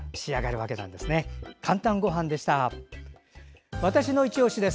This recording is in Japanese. わたしのいちオシ」です。